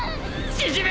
縮め！